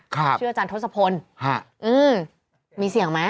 ครับคืออาจารย์ทศพลอืมมีเสียงไหม